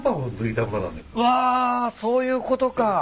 うわそういうことか。